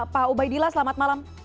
pak ubaidillah selamat malam